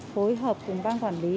phối hợp cùng ban quản lý